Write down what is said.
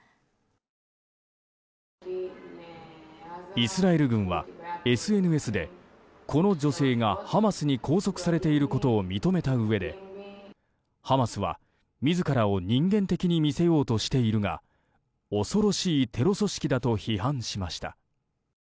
イスラエル軍はＳＮＳでこの女性がハマスに拘束されていることを認めたうえでハマスは自らを人間的に見せようとしているが恐ろしいテロ組織だと批判しました。